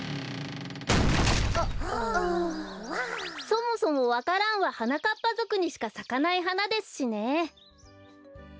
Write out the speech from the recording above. そもそもわか蘭ははなかっぱぞくにしかさかないはなですしね。